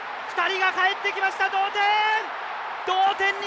２人がかえってきました同点！